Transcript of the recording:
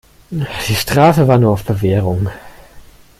Die Strafe war nur auf Bewährung.